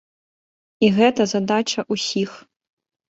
І гэта задача ўсіх.